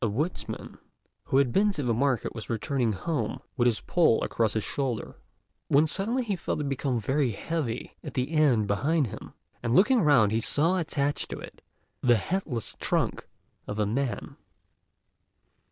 A woodsman who had been to market was returning home with his pole across his shoulder, when suddenly he felt it become very heavy at the end behind him, and looking round he saw attached to it the headless trunk of a man.